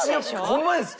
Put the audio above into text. ホンマです！